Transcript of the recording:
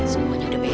semuanya udah beres ma